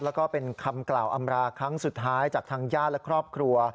แล้วก็เป็นคำกล่าวอำราครั้งสุดท้ายจากทางญาติและครอบครัว